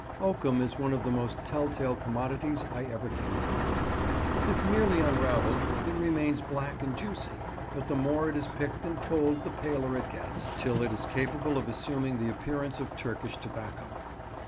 Oakum is one of the most tell tale commodities I ever came across. If merely unravelled, it remains black and juicy; but the more it is picked and pulled the paler it gets, till it is capable of assuming the appearance of Turkish tobacco.